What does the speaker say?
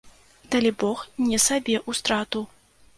Далібог не сабе ў страту.